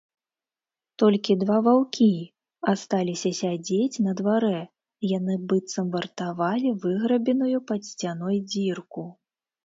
Толькі два ваўкі асталіся сядзець на дварэ, яны быццам вартавалі выграбеную пад сцяной дзірку.